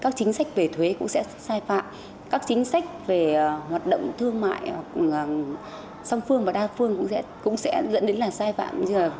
các chính sách về thuế cũng sẽ sai phạm các chính sách về hoạt động thương mại hoặc song phương và đa phương cũng sẽ dẫn đến là sai phạm